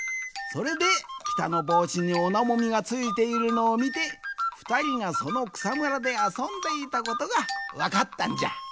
それでピタのぼうしにオナモミがついているのをみてふたりがそのくさむらであそんでいたことがわかったんじゃ。